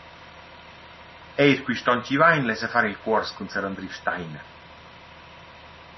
Eir quist on chi vain lessa far il cuors cun sar Andri Steiner.